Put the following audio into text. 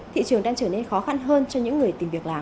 thị trường đang trở nên khó khăn hơn cho những người tìm việc làm